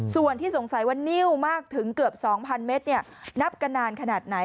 ส่วนที่สงสัยว่านิ้วมากถึงเกือบ๒๐๐เมตรนับกันนานขนาดไหน